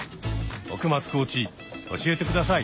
奥松コーチ教えて下さい。